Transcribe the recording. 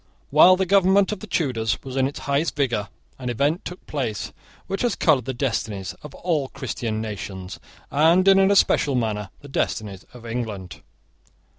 While the government of the Tudors was in its highest vigour an event took place which has coloured the destinies of all Christian nations, and in an especial manner the destinies of England.